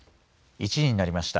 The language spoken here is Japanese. １時になりました。